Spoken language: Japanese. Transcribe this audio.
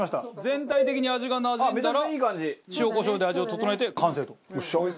全体的に味がなじんだら塩コショウで味を調えて完成と。